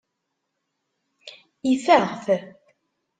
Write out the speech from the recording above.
Ifeɣ-t.